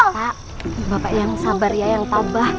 pak bapak yang sabar ya yang tabah